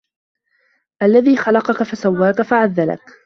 الَّذي خَلَقَكَ فَسَوّاكَ فَعَدَلَكَ